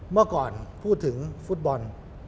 เมื่อก่อนพูดถึงฟุตบอล